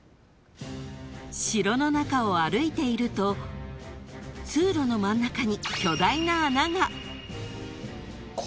［城の中を歩いていると通路の真ん中に］